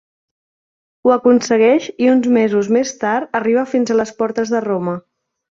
Ho aconsegueix i uns mesos més tard arriba fins a les portes de Roma.